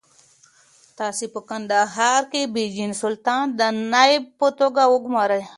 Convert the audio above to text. تاسو په کندهار کې بېجن سلطان د نایب په توګه وګمارئ.